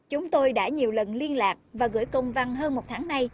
chúng tôi đã nhiều lần liên lạc và gửi công văn hơn một tháng nay